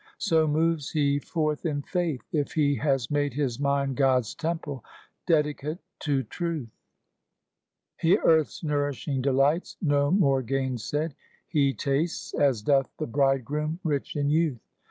So moves he forth in faith, if he has made His mind God's temple, dedicate to truth. Earth's nourishing delights, no more gainsaid, He tastes, as doth the bridegroom rich in youth.